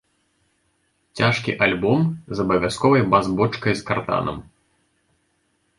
Цяжкі альбом з абавязковай бас-бочкай з карданам.